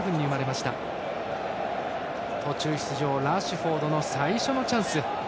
そして途中出場ラッシュフォードの最初のチャンス。